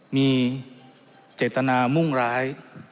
มีเจตนามุ่งร้าย